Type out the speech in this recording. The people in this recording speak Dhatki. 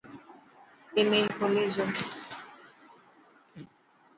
آي ميل کولي جو